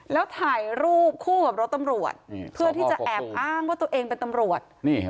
แล้วถ่ายรูปคู่กับรถตำรวจเพื่อที่จะแอบอ้างว่าตัวเองเป็นตำรวจ